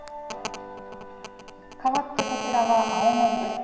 かわってこちらは青森です。